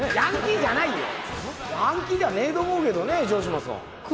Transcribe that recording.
ヤンキーではねえと思うけどね城島さん。